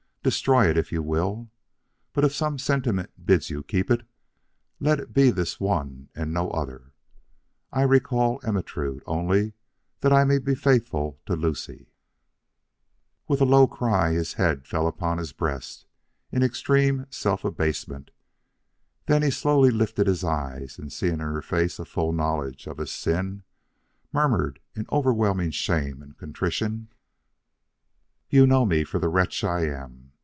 Destroy it if you will, but if some sentiment bids you keep it, let it be this one and no other: 'I recall Ermentrude only that I may be faithful to Lucie.'" With a low cry his head fell upon his breast in extreme self abasement, then he slowly lifted his eyes and seeing in her face a full knowledge of his sin, murmured in overwhelming shame and contrition: "You know me for the wretch I am.